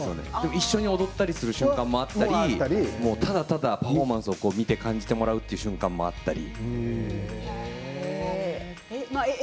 一緒に踊ったりする瞬間もあったりただただパフォーマンスを見て感じてもらう瞬間もあったり。